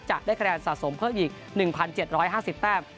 จะได้คะแนนสะสมเพิ่มอีก๑๗๕๐แต้ม